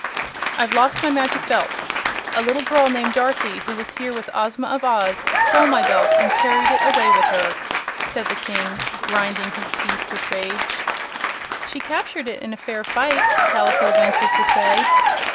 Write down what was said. "I've lost my Magic Belt. A little girl named Dorothy, who was here with Ozma of Oz, stole my Belt and carried it away with her," said the King, grinding his teeth with rage. "She captured it in a fair fight," Kaliko ventured to say.